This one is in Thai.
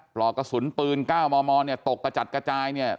ปลอกกระสุนปืน๙มมเนี่ยตกกระจัดกระจายเนี่ย